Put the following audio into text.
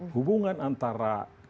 hubungan antara kelembagaan